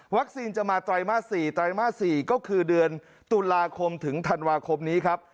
จะมาไตรมาส๔ไตรมาส๔ก็คือเดือนตุลาคมถึงธันวาคมนี้ครับ